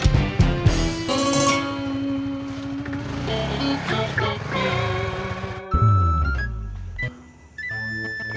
ya ini lagi serius